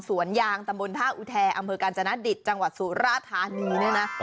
สวนยางตำบลธาตุอุแทรอำเภอกรรจนาฏิษฐ์จังหวัดสุรธานีนี่นะ